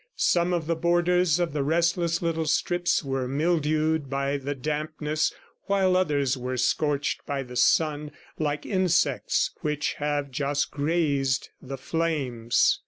Some of the borders of the restless little strips were mildewed by the dampness while others were scorched by the sun, like insects which have just grazed the flames.